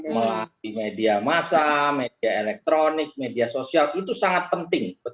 melalui media massa media elektronik media sosial itu sangat penting